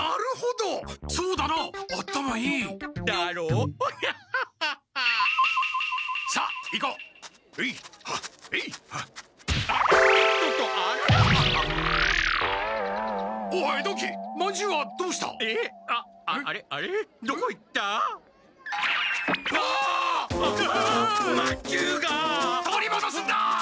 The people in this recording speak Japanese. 取りもどすんだ！